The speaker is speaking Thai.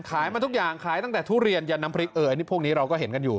มาทุกอย่างขายตั้งแต่ทุเรียนยันน้ำพริกเอ่ยอันนี้พวกนี้เราก็เห็นกันอยู่